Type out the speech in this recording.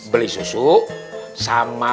beli susu sama